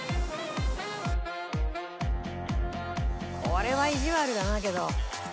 これは意地悪だなけど。